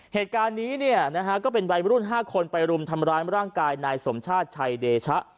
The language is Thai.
เหตุการณ์นี้เนี่ยนะฮะก็เป็นวัยรุ่น๕คนไปรุมทำร้ายร่างกายนายสมชาติชัยเดชะ